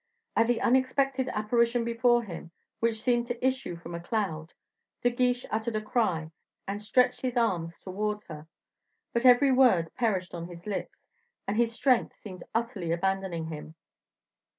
At the unexpected apparition before him, which seemed to issue from a cloud, De Guiche uttered a cry and stretched his arms towards her; but every word perished on his lips, and his strength seemed utterly abandoning him.